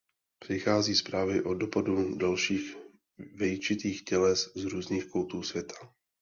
Přichází zprávy o dopadu dalších vejčitých těles z různých koutů světa.